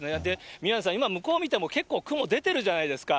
宮根さん、今、向こう見ても結構、雲出てるじゃないですか。